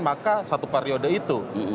maka satu periode itu